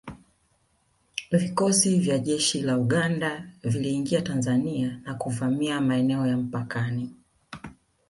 Vikosi vya jeshi la Uganda viliingia Tanzania na kuvamia maeneo ya mpakani